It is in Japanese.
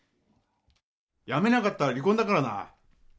やめなかったら離婚だからな。